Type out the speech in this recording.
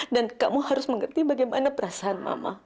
dan kamu harus mengerti bagaimana perasaan mama